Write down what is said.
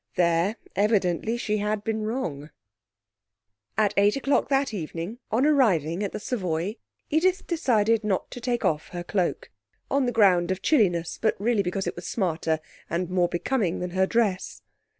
There, evidently, she had been wrong. At eight o'clock that evening, on arriving at the Savoy, Edith decided not to take off her cloak (on the ground of chilliness, but really because it was smarter and more becoming than her dress).